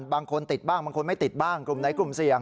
บางคนติดบ้างบางคนไม่ติดบ้างกลุ่มไหนกลุ่มเสี่ยง